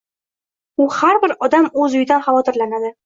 U har bir odam o‘z uyidan xavotirlandi.